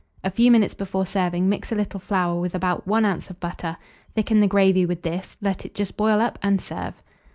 A few minutes before serving, mix a little flour with about 1 oz. of butter; thicken the gravy with this; let it just boil up, and serve.